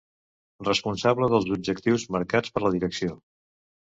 Responsable dels objectius marcats per la direcció.